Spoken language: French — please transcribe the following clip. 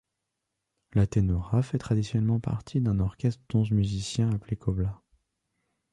La tenora fait traditionnellement partie d'un orchestre d'onze musiciens appelé cobla.